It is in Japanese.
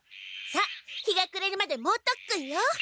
さあ日がくれるまでもうとっくんよ！